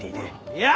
いや！